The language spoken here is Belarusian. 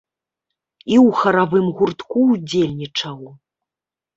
І ў харавым гуртку ўдзельнічаў.